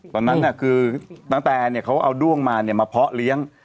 ตอนนั้นคือตั้งแต่เขาเอาด้วงมามาเพาะเลี้ยง